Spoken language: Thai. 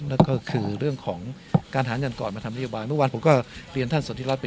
แล้วก็คือเรื่องของการหาแดงกอดมาทำโยบายที่เมื่อวานผมก็เรียนท่านสวทีรัตย์ไป